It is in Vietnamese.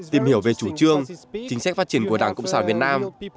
tìm hiểu về chủ trương chính sách phát triển của đảng cộng sản việt nam